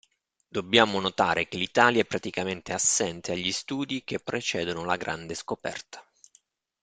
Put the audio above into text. Dobbiamo notare che l'Italia è praticamente assente agli studi che precedono la grande scoperta.